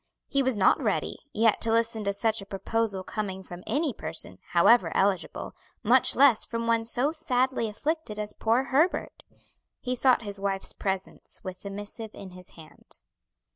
He was not ready, yet to listen to such a proposal coming from any person, however eligible, much less from one so sadly afflicted as poor Herbert. He sought his wife's presence with the missive in his hand.